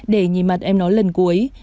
để nhìn mặt em nó lần cuối